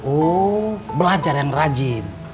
oh belajar yang rajin